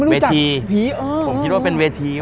เวทีผมคิดว่าเป็นเวที